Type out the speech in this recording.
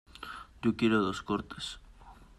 Yo quiero dos cortes.